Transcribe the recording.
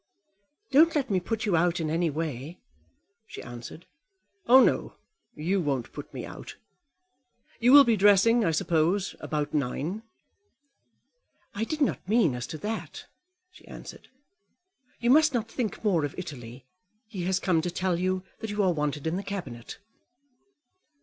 "Don't let me put you out in any way," she answered. "Oh no; you won't put me out. You will be dressing, I suppose, about nine." "I did not mean as to that," she answered. "You must not think more of Italy. He has come to tell you that you are wanted in the Cabinet."